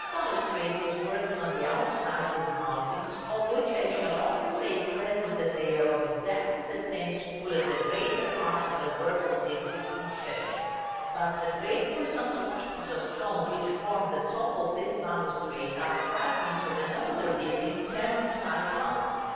This balustrade is worked on the outside with mouldings, of which I shall only say at present that they are of exactly the same school as the greater part of the work of the existing church. But the great horizontal pieces of stone which form the top of this balustrade are fragments of an older building turned inside out.